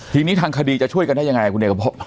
ทีนี้ทางคดีจะช่วยกันได้ยังไงคุณเอกพบ